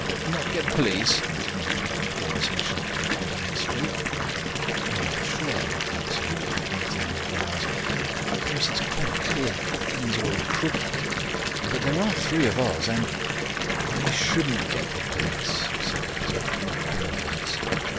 "Not get police?" asked Major Brown, glancing sharply up and down the street. "I am not sure," answered Rupert, knitting his brows. "Of course, it's quite clear, the thing's all crooked. But there are three of us, and " "I shouldn't get the police," said Basil in a queer voice.